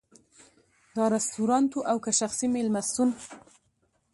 دا رستورانت و او که شخصي مېلمستون.